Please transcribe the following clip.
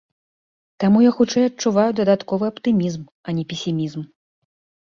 Таму я, хутчэй, адчуваю дадатковы аптымізм, а не песімізм.